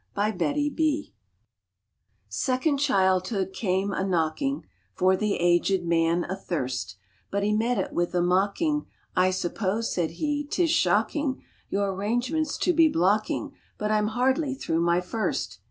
[ 12] AGE PROOF SECOND childhood came a knocking, For the aged man athirst, But he met it with a mocking " I suppose," said he, " tis shocking Your arrangements to be blocking, But I m hardly through my first